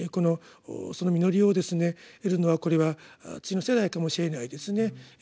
その実りをですね得るのはこれは次の世代かもしれないですね。